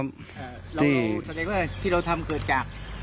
เราแสดงว่าที่เราทำเกิดจาก